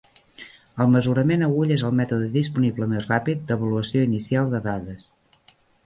El mesurament a ull és el mètode disponible més ràpid d'avaluació inicial de dades.